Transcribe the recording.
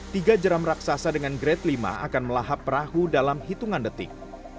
tiga jeram raksasa dengan grade lima akan melahap perahu dalam hitungan detik